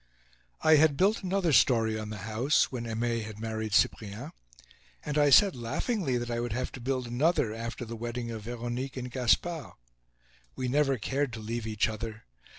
I had built another story on the house when Aimee had married Cyprien; and I said laughingly that I would have to build another after the wedding of Veronique and Gaspard. We never cared to leave each other.